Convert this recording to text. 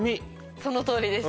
そのとおりです